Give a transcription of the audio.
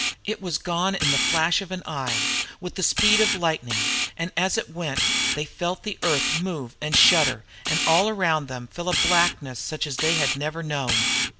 It was gone in the flash of an eye, with the speed of lightning, and as it went they felt the earth move and shudder, and all around them fell a blackness such as they had never known.